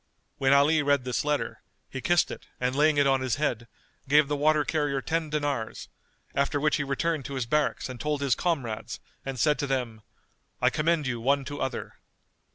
When Ali read this letter, he kissed it and laying it on his head, gave the water carrier ten dinars; after which he returned to his barracks and told his comrades and said to them, "I commend you one to other."